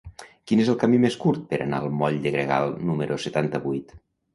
Quin és el camí més curt per anar al moll de Gregal número setanta-vuit?